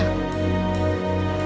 ah gini aja